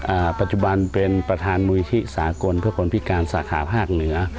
อ่าปัจจุบันเป็นประธานมูลิธิสากลเพื่อคนพิการสาขาภาคเหนือ